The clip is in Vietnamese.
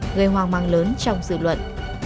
đề hoàng mạng lớn trong sự luận